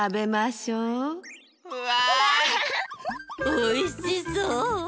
おいしそう。